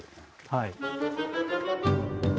はい。